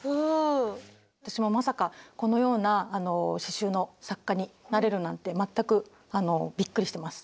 私もまさかこのような刺しゅうの作家になれるなんて全くびっくりしてます。